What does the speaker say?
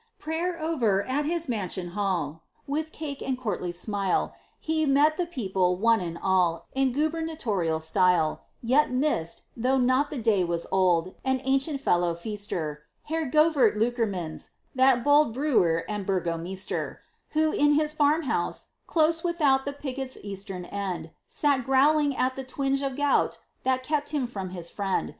Prayer over, at his mansion hall, With cake and courtly smile, He met the people, one and all, In gubernatorial style; Yet missed, though now the day was old, An ancient fellow feaster, Heer Govert Loockermans, that bold Brewer and burgomeester; Who, in his farmhouse, close without The picket's eastern end, Sat growling at the twinge of gout That kept him from his friend.